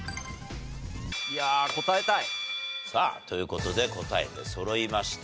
いやあ答えたい！さあという事で答え出そろいました。